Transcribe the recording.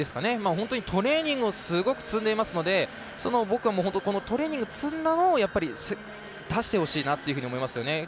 本当にトレーニングをすごく積んでいますので本当にトレーニング積んだのを出してほしいなと思いますね。